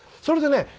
それでね